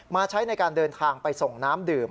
ใช้ในการเดินทางไปส่งน้ำดื่ม